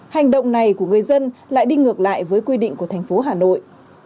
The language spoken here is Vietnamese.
hành động này của người dân lại đi ngược lại với quy định của thành phố hà nội